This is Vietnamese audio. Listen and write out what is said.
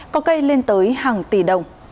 có cây lên tới hàng tỷ đồng